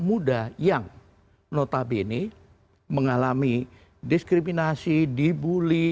muda yang notabene mengalami diskriminasi dibully